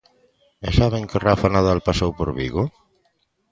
E saben que Rafa Nadal pasou por Vigo.